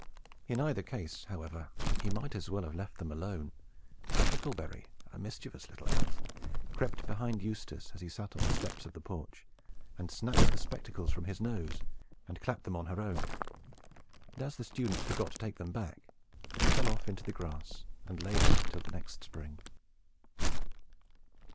In either case, however, he might as well have let them alone; for Huckleberry, a mischievous little elf, crept behind Eustace as he sat on the steps of the porch, snatched the spectacles from his nose, and clapped them on her own; and as the student forgot to take them back, they fell off into the grass, and lay there till the next spring.